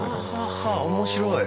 面白い。